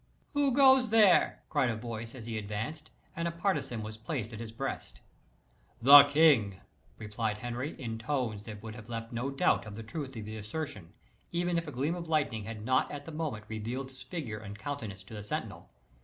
"Who goes there?" cried a voice, as he advanced, and a partisan was placed at his breast. "The king!" replied Henry, in tones that would have left no doubt of the truth of the assertion, even if a gleam of lightning had not at the moment revealed his figure and countenance to the sentinel.